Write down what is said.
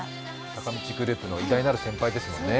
坂道グループの偉大なる先輩ですもんね。